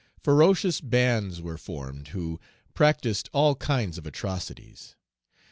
Ferocious bands were formed, who practised all kinds of atrocities.